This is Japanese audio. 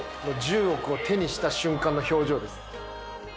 １０億を手にした瞬間の表情です。